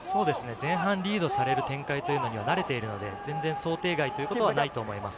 前半、リードされる展開には慣れているので、全然想定外ということはないと思います。